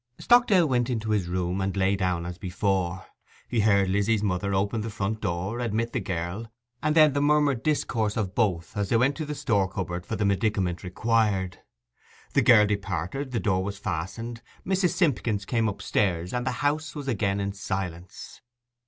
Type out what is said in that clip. Stockdale went into his room and lay down as before. He heard Lizzy's mother open the front door, admit the girl, and then the murmured discourse of both as they went to the store cupboard for the medicament required. The girl departed, the door was fastened, Mrs. Simpkins came upstairs, and the house was again in silence.